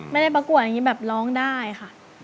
ประกวดอย่างนี้แบบร้องได้ค่ะ